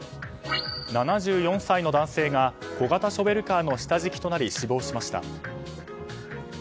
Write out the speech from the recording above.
７４歳の男性が小型ショベルカーの下敷きとなり死亡しました。